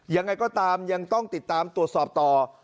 ยังไงก็ตามยังต้องติดตามตรวจสอบต่อ